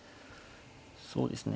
そうですね。